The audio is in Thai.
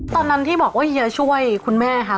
ตอนนั้นที่บอกว่าเฮียช่วยคุณแม่ค่ะ